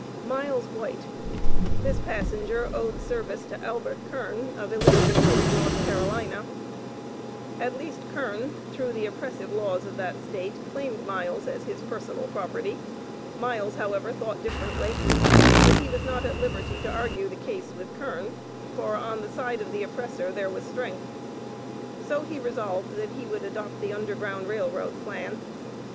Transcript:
MILES WHITE. This passenger owed service to Albert Kern, of Elizabeth City, N.C. At least Kern, through the oppressive laws of that State, claimed Miles as his personal property. Miles, however, thought differently, but he was not at liberty to argue the case with Kern; for on the "side of the oppressor there was strength." So he resolved, that he would adopt the Underground Rail Road plan.